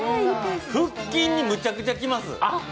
腹筋にむちゃくちゃきます。